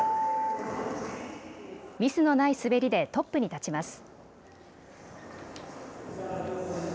ミスのない滑りでトップに立ちます。